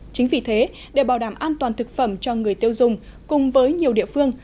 chính vì thế để bảo đảm an toàn thực phẩm cho người tiêu dùng cùng với nhiều địa phương